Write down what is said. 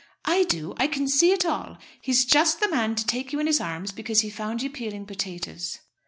"I do. I can see it all. He is just the man to take you in his arms because he found you peeling potatoes."